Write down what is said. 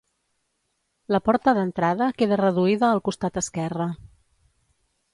La porta d'entrada queda reduïda al costat esquerre.